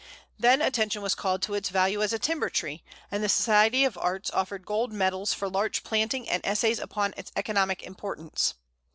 Then attention was called to its value as a timber tree, and the Society of Arts offered gold medals for Larch planting and essays upon its economic importance.